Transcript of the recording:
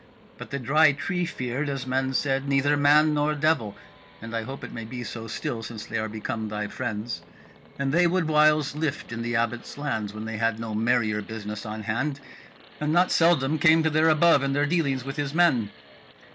But the Dry Tree feared, as men said, neither man nor devil (and I hope it may be so still since they are become thy friends), and they would whiles lift in the Abbot's lands when they had no merrier business on hand, and not seldom came to their above in their dealings with his men.